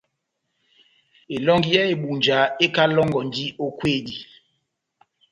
Elɔnji yá Ebunja ekalɔngɔndi ó kwedi.